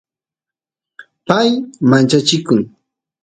pay manchachikun